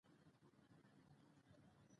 بغاوت د نظام خلاف او همداسې